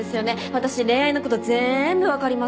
私恋愛の事全部わかります。